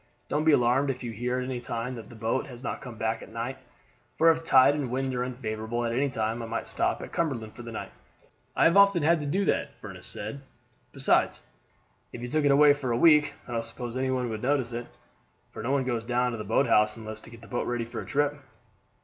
Don't be alarmed if you hear at any time that the boat has not come back at night, for if tide and wind are unfavorable at any time I might stop at Cumberland for the night." "I have often had to do that," Furniss said. "Besides, if you took it away for a week, I don't suppose any one would notice it; for no one goes down to the boathouse unless to get the boat ready for a trip."